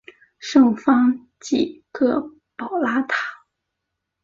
圣方济各保拉堂。